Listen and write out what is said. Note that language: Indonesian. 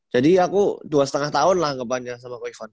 jadi aku dua lima tahun lah anggapannya sama ko ivan